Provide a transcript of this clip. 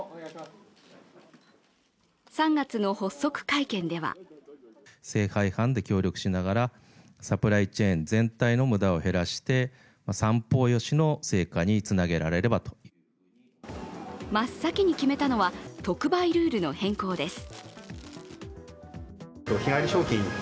３月の発足会見では真っ先に決めたのは、特売ルールの変更です。